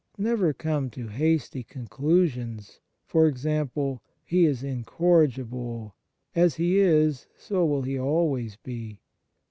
Never come to hasty conclusions e.g., " He is incorrigible ; as he is, so will he always be."